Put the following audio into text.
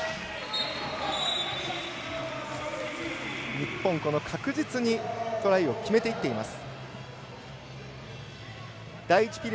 日本、確実にトライを決めていっています。